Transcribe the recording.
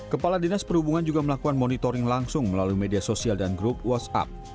kepala dinas perhubungan juga melakukan monitoring langsung melalui media sosial dan grup whatsapp